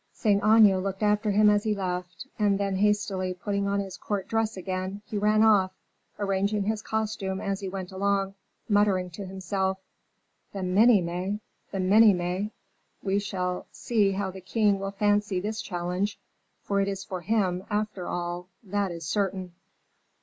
Saint Aignan looked after him as he left; and then hastily putting on his court dress again, he ran off, arranging his costume as he went along, muttering to himself, "The Minimes! the Minimes! We shall see how the king will fancy this challenge; for it is for him after all, that is certain."